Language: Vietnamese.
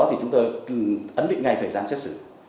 thì chúng tôi ấn định ngay thời gian xét xử